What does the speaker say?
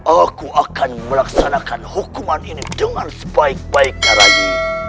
aku akan melaksanakan hukuman ini dengan sebaik baiknya lagi